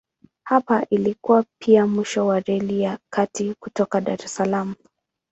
Hapa ilikuwa pia mwisho wa Reli ya Kati kutoka Dar es Salaam.